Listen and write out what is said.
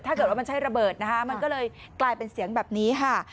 ถ้าเกิดว่ามันใช้ระเบิดนะคะมันก็เลยกลายเป็นเสียงแบบนี้ค่ะ